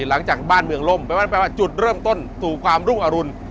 หลังจากบ้านเมืองล่มแปลว่าจุดเริ่มต้นสู่ความรุ่งอรุณ